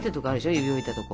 指を置いたところ。